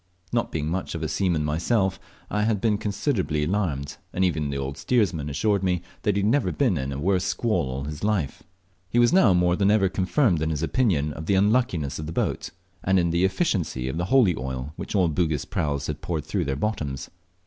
Not being much of a seaman myself I had been considerably alarmed, and even the old steersman assured me he had never been in a worse squall all his life. He was now more than ever confirmed in his opinion of the unluckiness of the boat, and in the efficiency of the holy oil which all Bugis praus had poured through their bottoms.